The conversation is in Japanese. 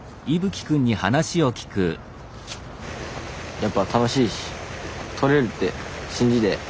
やっぱ楽しいし取れるって信じて。